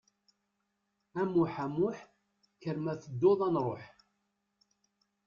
A Muĥ, a Muḥ, kker ma tedduḍ ad nruḥ.